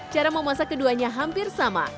cara memasak keduanya hampir sama